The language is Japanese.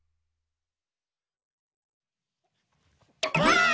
ばあっ！